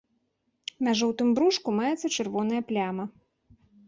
На жоўтым брушку маецца чырвоная пляма.